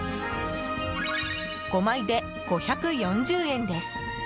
５枚で５４０円です。